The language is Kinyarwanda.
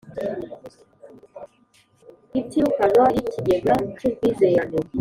itimukanwa y ikigega cy ubwizerane